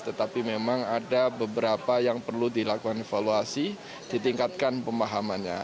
tetapi memang ada beberapa yang perlu dilakukan evaluasi ditingkatkan pemahamannya